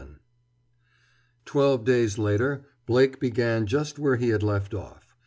XI Twelve days later Blake began just where he had left off.